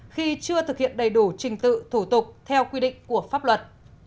khi chưa thực hiện đầy đủ trình tự thủ tục theo quy định của pháp luật